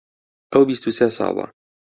ئەو بیست و سێ ساڵە.